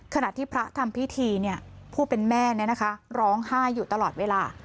ขณะที่พระทำพิธีผู้เป็นแม่ร้องไห้อยู่ตลอดเวลา